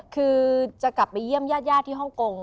คือจะกลับไปเยี่ยมญาติที่ฮ่องกง